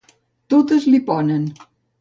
Totes li ponen.